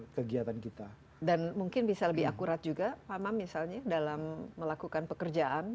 kegiatan kita dan mungkin bisa lebih akurat juga pak amam misalnya dalam melakukan pekerjaan